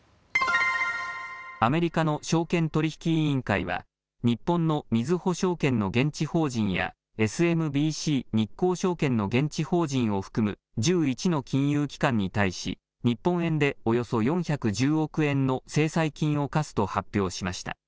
アメリカの証券取引委員会は日本のみずほ証券の現地法人やＳＭＢＣ日興証券の現地法人を含む１１の金融機関に対し日本円でおよそ４１０億円の制裁金を科すと発表しました。